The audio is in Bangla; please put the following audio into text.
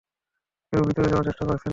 কেউ ভিতরে যাবার চেষ্টা করছে না, নায়না।